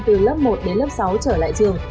từ lớp một đến lớp sáu trở lại trường